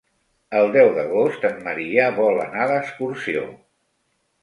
El deu d'agost en Maria vol anar d'excursió.